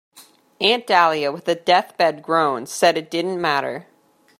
Aunt Dahlia, with a deathbed groan, said it didn't matter.